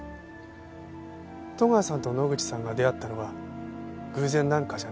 戸川さんと野口さんが出会ったのは偶然なんかじゃなかったんです。